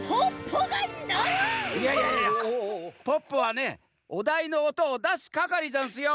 ポッポはねおだいのおとをだすかかりざんすよ。